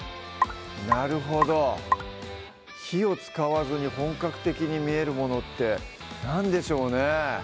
なるほど火を使わずに本格的に見えるものって何でしょうね